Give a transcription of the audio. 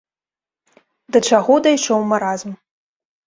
Да чаго дайшоў маразм!